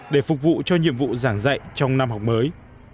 để phục vụ cho nhiệm vụ giảng dạy trong năm học mới